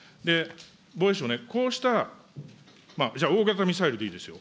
防衛省ね、こうした、じゃあ、大型ミサイルでいいですよ。